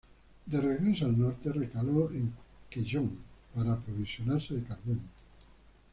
De regreso al norte, recaló en Quellón para aprovisionarse de carbón.